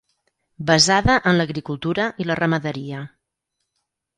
Basada en l'agricultura i la ramaderia.